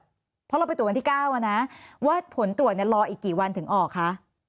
เพราะเราไปตรวจวันที่๙นะว่าผลตรวจรออีกกี่วันถึงออกคะ